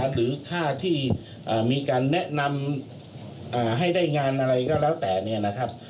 หรือค่าที่มีการแนะนำให้ได้งานอะไรก็แล้วแต่เนี่ยนะครับ